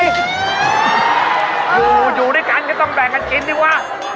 โอ้โหอยู่ด้วยกันก็ต้องแบ่งกันกินดีวะ